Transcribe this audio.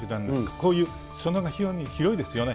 こういうすそ野が広いですよね。